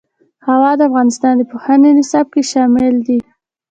هوا د افغانستان د پوهنې نصاب کې شامل دي.